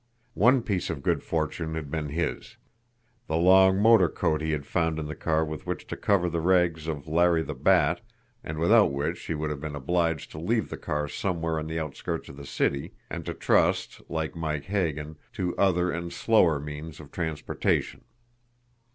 One piece of good fortune had been his the long motor coat he had found in the car with which to cover the rags of Larry the Bat, and without which he would have been obliged to leave the car somewhere on the outskirts of the city, and to trust, like Mike Hagan, to other and slower means of transportation.